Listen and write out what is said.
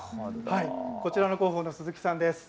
こちらの工房の鈴木さんです。